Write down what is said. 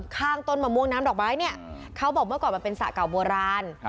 ข้างต้นมะม่วงน้ำดอกไม้เนี่ยเขาบอกเมื่อก่อนมันเป็นสระเก่าโบราณ